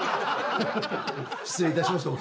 失礼いたしました。